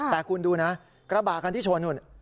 แต่คุณดูนะกระบะคันที่ชนนู่น